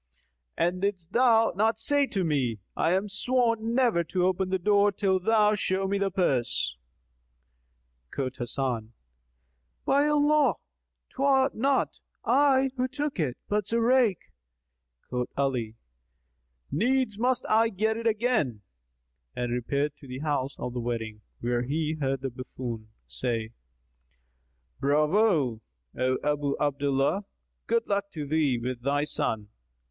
And didst thou not say to me, I am sworn never to open the door till thou show me the purse?" Quoth Hasan, "By Allah, 'twas not I who took it, but Zurayk!" Quoth Ali, "Needs must I get it again," and repaired to the house of the wedding, where he heard the buffoon[FN#247] say, "Bravo,[FN#248] O Abu Abdallah! Good luck to thee with thy son!"